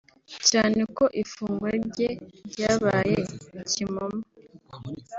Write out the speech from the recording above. cyane ko ifungwa rye ryabaye kimomo